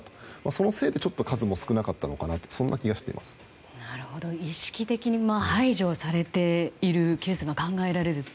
そのせいでちょっと数も少なかったのかなと意識的に排除されているケースが考えられると。